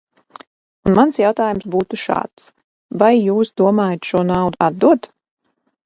Un mans jautājums būtu šāds: vai jūs domājat šo naudu atdot?